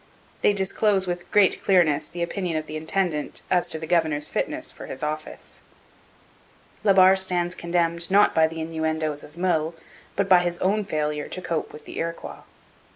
They disclose with great clearness the opinion of the intendant as to the governor's fitness for his office. La Barre stands condemned not by the innuendoes of Meulles, but by his own failure to cope with the Iroquois.